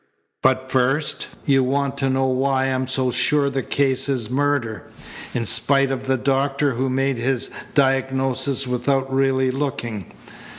But first you want to know why I'm so sure the case is murder, in spite of the doctor who made his diagnosis without really looking."